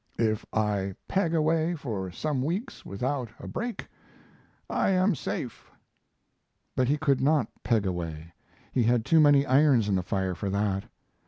If I peg away for some weeks without a break I am safe. But he could not peg away. He had too many irons in the fire for that.